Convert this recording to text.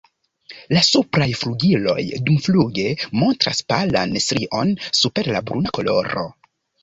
La supraj flugiloj dumfluge montras palan strion super la bruna koloro.